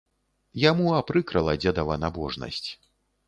Яму апрыкрала дзедава набожнасць.